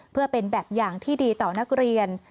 เพื่อเป็นแบบอย่างที่ดีต่อนักเรียน